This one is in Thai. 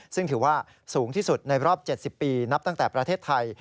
ซึ่งถือว่าสูงที่สุดในรอบ๗๐ปีนับตั้งแต่ประเทศไทย